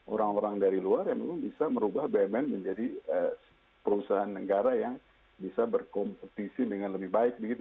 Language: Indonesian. orang orang dari luar yang memang bisa merubah bmn menjadi perusahaan negara yang bisa berkompetisi dengan lebih baik begitu